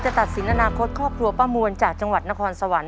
ตัดสินอนาคตครอบครัวป้ามวลจากจังหวัดนครสวรรค